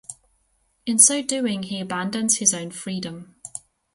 In so doing, he abandons his own freedom.